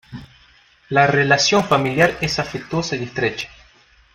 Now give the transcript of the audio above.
La relación familiar es afectuosa y estrecha.